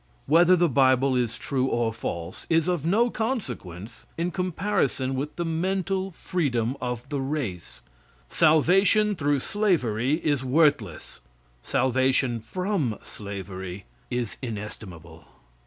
Whether the bible is true or false, is of no consequence in comparison with the mental freedom of the race. Salvation through slavery is worthless. Salvation from slavery is inestimable.